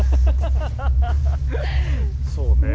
そうねえ。